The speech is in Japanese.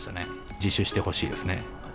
自首してほしいですね。